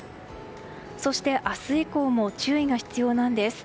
そして、明日以降も注意が必要なんです。